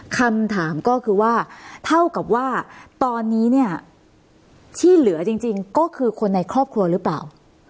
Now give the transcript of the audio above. คำถามก็คือว่าเท่ากับว่าตอนนี้เนี่ยที่เหลือจริงก็คือคนในครอบครัวหรือเปล่า